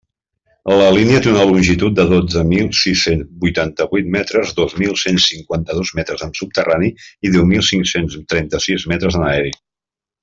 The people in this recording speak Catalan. La línia té una longitud de dotze mil sis-cents huitanta-huit metres, dos mil cent cinquanta-dos metres en subterrani i deu mil cinc-cents trenta-sis metres en aeri.